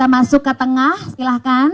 masuk ke tengah silahkan